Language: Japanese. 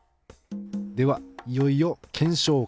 ではいよいよ検証開始。